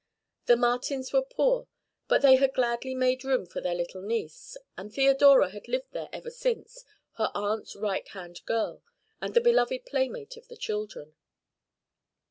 The Martins were poor, but they had gladly made room for their little niece, and Theodora had lived there ever since, her aunt's right hand girl and the beloved playmate of the children.